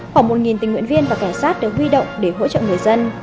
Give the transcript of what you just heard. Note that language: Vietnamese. khoảng một tình nguyện viên và cảnh sát được huy động để hỗ trợ người dân